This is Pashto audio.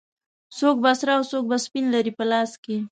څوک به سره او څوک به سپین لري په لاس کې